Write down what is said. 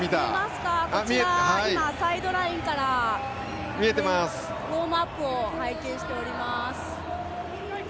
今、サイドラインからウォームアップを拝見しています。